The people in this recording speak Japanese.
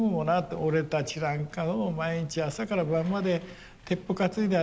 俺たちなんかもう毎日朝から晩まで鉄砲担いであれしたんだよ。